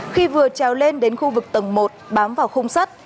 khi vừa trèo lên đến khu vực tầng một bám vào khung sắt